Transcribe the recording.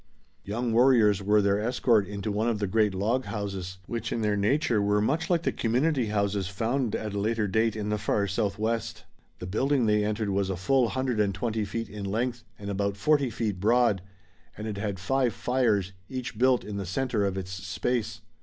Young warriors were their escort into one of the great log houses, which in their nature were much like the community houses found at a later day in the far southwest. The building they entered was a full hundred and twenty feet in length and about forty feet broad, and it had five fires, each built in the center of its space.